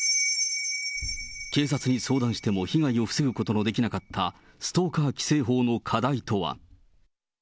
警察に相談しても被害を防ぐことのできなかった、ストーカー規制法の課題とは。